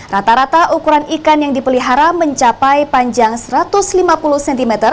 rata rata ukuran ikan yang dipelihara mencapai panjang satu ratus lima puluh cm